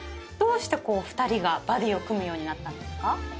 どうして２人がバディーを組むようになったんですか？